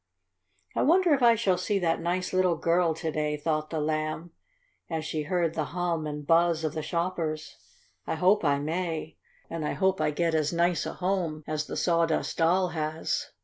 "I wonder if I shall see that nice little girl to day," thought the Lamb, as she heard the hum and buzz of the shoppers. "I hope I may. And I hope I get as nice a home as the Sawdust Doll has."